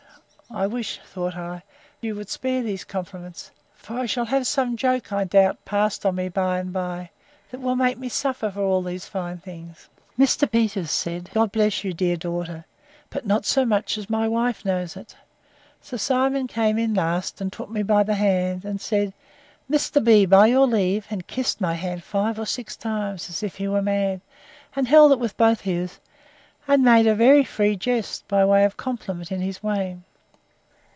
I wish, thought I, you would spare these compliments; for I shall have some joke, I doubt, passed on me by and by, that will make me suffer for all these fine things. Mr. Peters said, softly, God bless you, dear daughter!—But not so much as my wife knows it.—Sir Simon came in last, and took me by the hand, and said, Mr. B——, by your leave; and kissed my hand five or six times, as if he was mad; and held it with both his, and made a very free jest, by way of compliment, in his way.